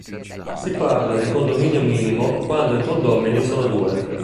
Si parla di "condominio minimo" quando i condomini sono due.